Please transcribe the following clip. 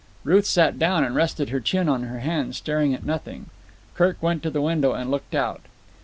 Ruth sat down and rested her chin on her hand, staring at nothing. Kirk went to the window and looked out.